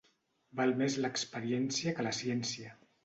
Val més l'experiència que la ciència.